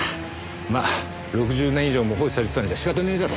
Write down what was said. まあ６０年以上も放置されてたんじゃ仕方ねえだろ。